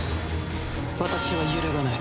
私は揺るがない。